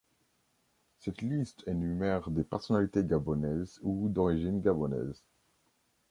Cette liste énumère des personnalités gabonaise ou d'origine gabonaise.